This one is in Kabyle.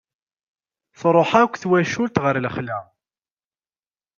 Truḥ akk twacult ɣer lexla.